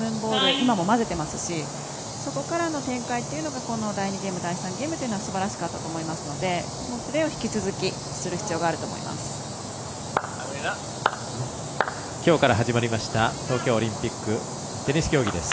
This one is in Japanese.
今も交ぜてますしそこからの展開というのも第２ゲーム、第３ゲームはすばらしかったと思いますのでこのプレーを引き続ききょうから始まりました東京オリンピックテニス競技です。